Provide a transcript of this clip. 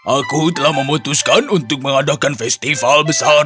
aku telah memutuskan untuk mengadakan festival besar